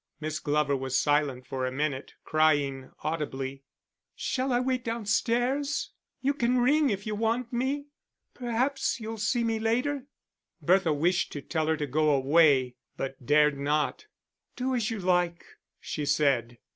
Miss Glover was silent for a minute, crying audibly. "Shall I wait downstairs? You can ring if you want me. Perhaps you'll see me later." Bertha wished to tell her to go away, but dared not. "Do as you like," she said.